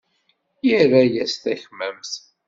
Irra-yas takmamt.